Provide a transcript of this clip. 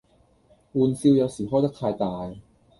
玩笑有時開得太大